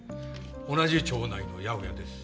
同じ町内の八百屋です。